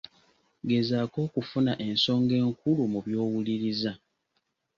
Gezaako okufuna ensonga enkulu mu by'owuliriza.